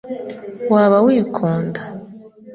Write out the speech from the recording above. waba wikunda